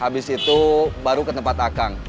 habis itu baru ke tempat akang